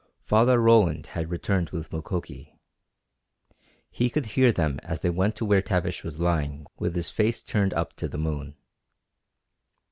Father Roland had returned with Mukoki. He could hear them as they went to where Tavish was lying with his face turned up to the moon.